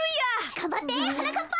がんばってはなかっぱ。